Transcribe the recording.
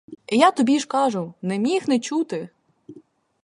І я тобі ж кажу: не міг не чути.